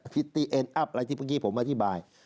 ิตตี้เอ็นอัพอะไรที่เมื่อกี้ผมอธิบาย